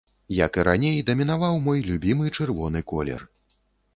Як і раней, дамінаваў мой любімы чырвоны колер.